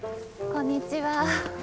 こんにちは。